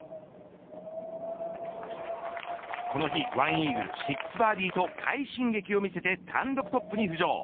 この日１イーグル、６バーディーと快進撃を見せて単独トップに浮上。